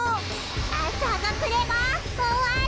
あさがくればおわる！